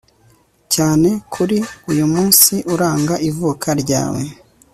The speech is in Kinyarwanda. cyane kuri uyumunsi, uranga ivuka ryawe